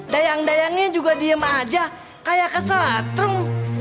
dayang dayangnya juga diem aja kayak keselatru